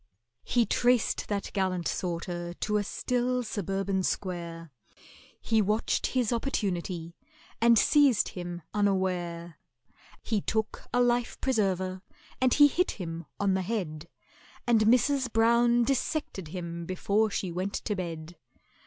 He traced that gallant sorter to a still suburban square; He watched his opportunity, and seized him unaware; He took a life preserver and he hit him on the head, And MRS. BROWN dissected him before she went to bed.